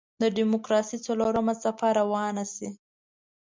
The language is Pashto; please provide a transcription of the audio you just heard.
د دیموکراسۍ څلورمه څپه روانه شي.